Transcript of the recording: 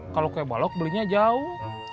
kalau kayak balok belinya jauh